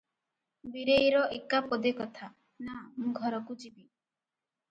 ବୀରେଇର ଏକା ପଦେ କଥା, "ନା, ମୁଁ ଘରକୁ ଯିବି ।"